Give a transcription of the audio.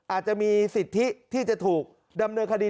อาจจะมีสิทธิที่จะถูกดำเนินคดี